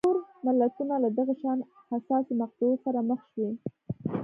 نور ملتونه له دغه شان حساسو مقطعو سره مخ شوي.